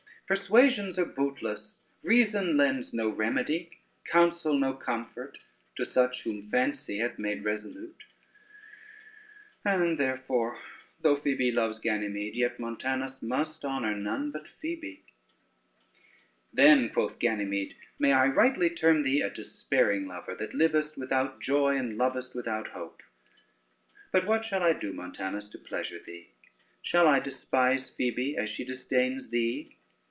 Persuasions are bootless, reason lends no remedy, counsel no comfort, to such whom fancy hath made resolute; and therefore though Phoebe loves Ganymede, yet Montanus must honor none but Phoebe." [Footnote 1: spear.] "Then," quoth Ganymede, "may I rightly term thee a despairing lover, that livest without joy, and lovest without hope: but what shall I do, Montanus, to pleasure thee? Shall I despise Phoebe, as she disdains thee?"